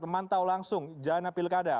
memantau langsung jalanan pilkada